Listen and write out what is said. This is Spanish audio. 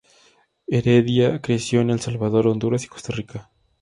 Heredia creció en El Salvador, Honduras y Costa Rica.